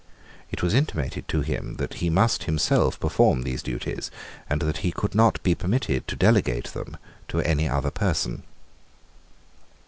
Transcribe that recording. It was intimated to him that he must himself perform these duties, and that he could not be permitted to delegate them to any other person.